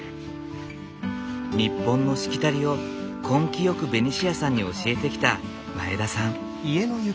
日本のしきたりを根気よくベニシアさんに教えてきた前田さん。